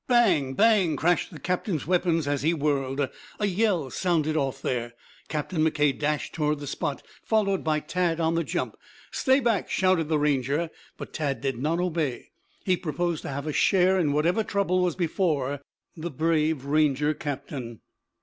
Bang, bang! crashed the captain's weapons as he whirled. A yell sounded off there. Captain McKay dashed toward the spot, followed by Tad on the jump. "Stay back!" shouted the Ranger, but Tad did not obey. He proposed to have a share in whatever trouble was before the brave Ranger captain.